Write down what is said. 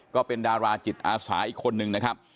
ก็เป็นดาราจิตอาสาอีกคนนึงนะครับ